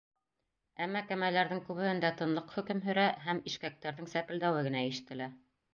Әммә кәмәләрҙең күбеһендә тынлыҡ хөкөм һөрә һәм ишкәктәрҙең сәпелдәүе генә ишетелә.